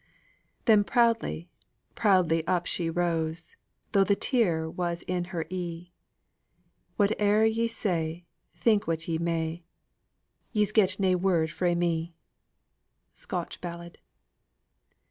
"Then proudly, proudly up she rose, Tho' the tear was in her e'e, Whate'er ye say, think what ye may, Ye's get na word frae me!" SCOTCH BALLAD.